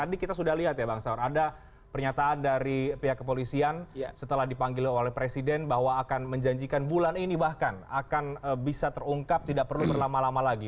tadi kita sudah lihat ya bang saur ada pernyataan dari pihak kepolisian setelah dipanggil oleh presiden bahwa akan menjanjikan bulan ini bahkan akan bisa terungkap tidak perlu berlama lama lagi